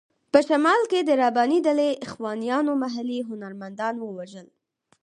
په شمال کې د رباني ډلې اخوانیانو محلي هنرمندان ووژل.